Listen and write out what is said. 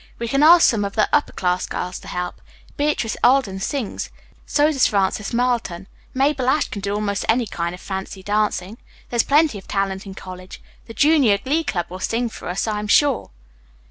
We can ask some of the upper class girls to help. Beatrice Alden sings; so does Frances Marlton. Mabel Ashe can do almost any kind of fancy dancing. There is plenty of talent in college. The junior glee club will sing for us, I am sure.